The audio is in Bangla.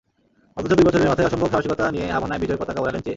অথচ দুই বছরের মাথায় অসম্ভব সাহসিকতা নিয়ে হাভানায় বিজয় পতাকা ওড়ালেন চে।